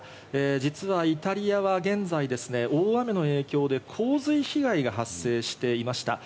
実はイタリアは現在、大雨の影響で洪水被害が発生していました。